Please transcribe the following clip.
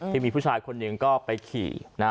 ที่มีผู้ชายคนหนึ่งก็ไปขี่นะ